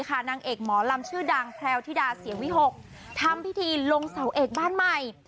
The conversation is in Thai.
คือด่างแพรวทิดาเสียวิหกทำพิธีลงเสาเอกบ้านใหม่